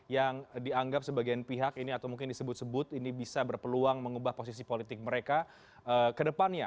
yang dianggap sebagian pihak ini atau mungkin disebut sebut ini bisa berpeluang mengubah posisi politik mereka ke depannya